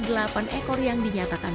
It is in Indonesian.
delapan ekor yang dinyatakan